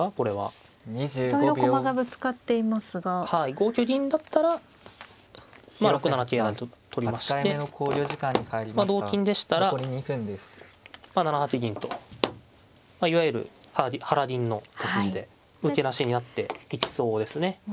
５九銀だったらまあ６七桂成と取りまして同金でしたら７八銀といわゆる腹銀の手筋で受けなしになっていきそうですね。